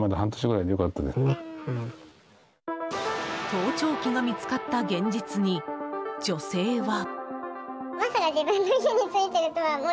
盗聴器が見つかった現実に女性は。